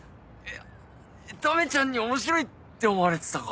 ためちゃんに面白いって思われてたか。